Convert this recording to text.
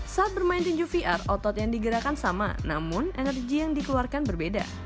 saat bermain tinju vr otot yang digerakkan sama namun energi yang dikeluarkan berbeda